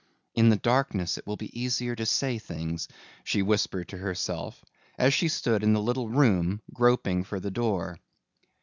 "In the darkness it will be easier to say things," she whispered to herself, as she stood in the little room groping for the door.